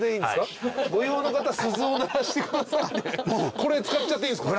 これ使っちゃっていいんすか？